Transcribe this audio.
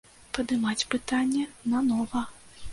Падымаць пытанне на нова.